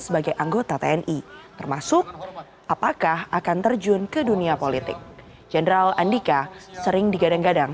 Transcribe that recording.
sebagai anggota tni termasuk apakah akan terjun ke dunia politik jenderal andika sering digadang gadang